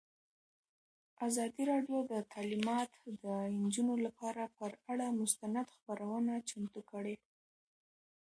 ازادي راډیو د تعلیمات د نجونو لپاره پر اړه مستند خپرونه چمتو کړې.